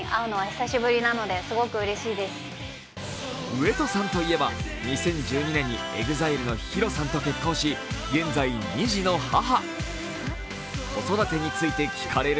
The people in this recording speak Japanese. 上戸さんといえば２０１２年にＥＸＩＬＥのＨＩＲＯさんと結婚し現在２児の母。